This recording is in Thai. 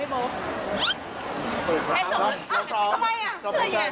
เปิดรับสมัครไหมคะพี่โป๊บ